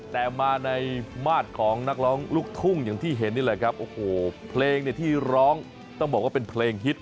แต่มาในมาตรของนักร้องลูกทุ่งอย่างที่เห็นนี่แหละครับโอ้โหเพลงเนี่ยที่ร้องต้องบอกว่าเป็นเพลงฮิต